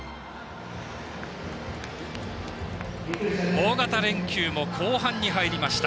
大型連休も後半に入りました。